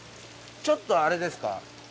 ちょっとあれですか？